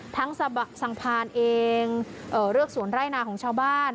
ทั้งสะพานเองเลือกสวนไร่นาของชาวบ้าน